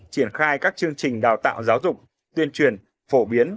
triển khai các chương trình đào tạo giáo dục tuyên truyền phổ biến